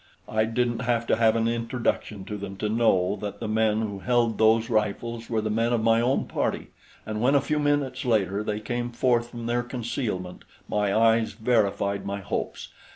I didn't have to have an introduction to them to know that the men who held those rifles were the men of my own party; and when, a few minutes later, they came forth from their concealment, my eyes verified my hopes.